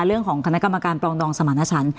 เรื่องของคณะกรรมการปรองดองสมรรถฉัน